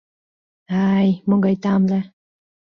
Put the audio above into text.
Ай, могай тамле...